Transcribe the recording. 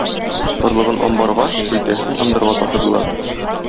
Орлыгын амбарга, көлтәсен ындырга ташыдылар.